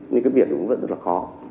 nhưng cái việc vẫn rất là khó